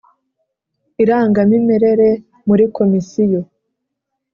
irangamimerere muri Komisiyo.